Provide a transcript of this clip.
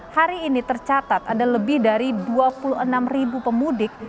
hari ini tercatat ada lebih dari dua puluh enam ribu pemudik